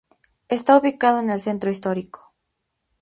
Está ubicado en el centro histórico.